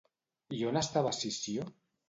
I on estava Sició?